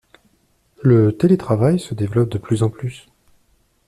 Le télétravail se développe de plus en plus.